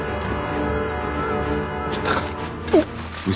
行ったか。